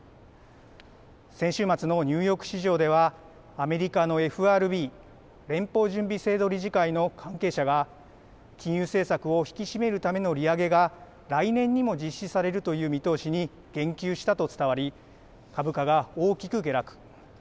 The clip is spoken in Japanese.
先週末のニューヨーク市場ではアメリカのＦＲＢ・連邦準備制度理事会の関係者が金融政策を引き締めるための利上げが来年にも実施されるという見通しに言及したと伝わり株価が大きく下落。